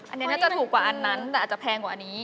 อันนี้น่าจะถูกกว่าอันนั้นแต่อาจจะแพงกว่าอันนี้